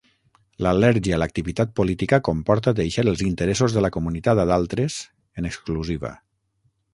L’al·lèrgia a l’activitat política comporta deixar els interessos de la comunitat a d’altres, en exclusiva.